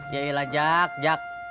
yaelah jak jak